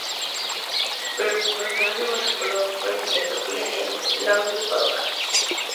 Pero su personaje más recordado fue el de Sofía en "La usurpadora".